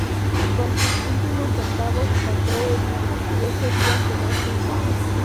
Con sus últimos centavos compro el libro, y ese día quedó sin comer.